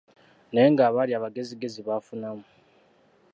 Naye ng’abaali abagezigezi baafunamu.